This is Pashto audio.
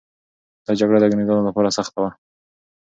دا جګړه د انګریزانو لپاره سخته وه.